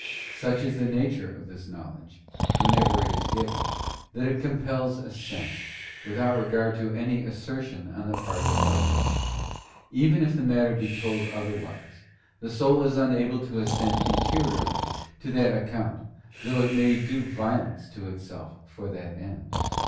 Such is the nature of this knowledge, whenever it is given, that it compels assent, without regard to any assertion on the part of others; even if the matter be told otherwise, the soul is unable to assent interiorly to that account, though it may do violence to itself for that end.